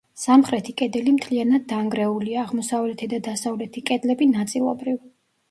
სამხრეთი კედელი მთლიანად დანგრეულია, აღმოსავლეთი და დასავლეთი კედლები ნაწილობრივ.